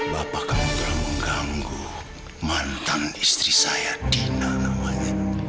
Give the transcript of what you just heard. bapaknya aida itu yang mendekati dina duluan